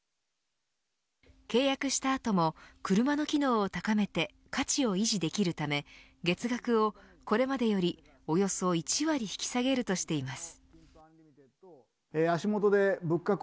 契約した後も車の機能を高めて価値を維持できるため月額をこれまでよりおよそ１割引き下げるとしています。